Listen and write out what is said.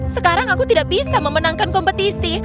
sekarang aku tidak bisa memenangkan kompetisi